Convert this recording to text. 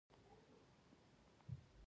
ملګری د ارامۍ نښه ده